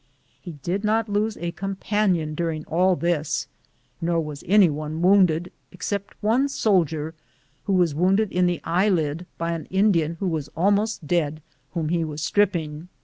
He did not lose a companion during all this, nor was anyone wounded, except one soldier, who was wounded in the eyelid by an Tndinn who was almost dead, whom he was strip ping.